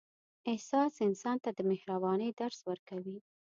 احساس انسان ته د مهربانۍ درس ورکوي.